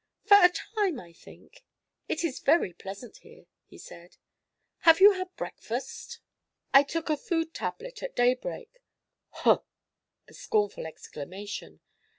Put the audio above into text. "For a time, I think. It is very pleasant here," he said. "Have you had breakfast?" "I took a food tablet at daybreak." "Huh!" A scornful exclamation.